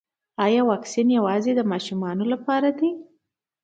ایا واکسین یوازې د ماشومانو لپاره دی